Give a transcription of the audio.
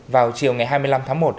vào chiều ngày hai mươi năm tháng một